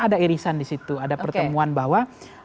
ada irisan di situ ada pertemuan bahwa